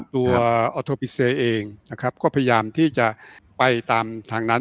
ตัวอทโปรปิเซย์เองก็พยายามที่จะไปตามทางนั้น